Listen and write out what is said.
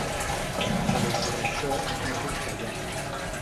Però sobre això no puc callar.